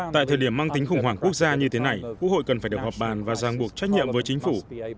tại thời điểm mang tính khủng hoảng quốc gia như thế này quốc hội cần phải được họp bàn và giang buộc trách nhiệm với chính phủ